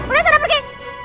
udah sana pergi